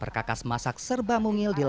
perkakas masak serba mungil di